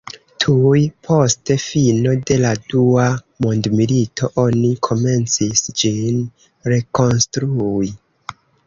Tuj post fino de la dua mondmilito oni komencis ĝin rekonstrui.